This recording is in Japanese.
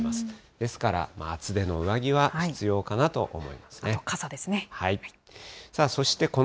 ですから、厚手の上着は必要かなあと傘ですね。